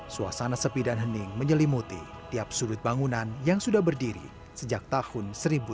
suasana sepi dan hening menyelimuti tiap sudut bangunan yang sudah berdiri sejak tahun seribu sembilan ratus sembilan puluh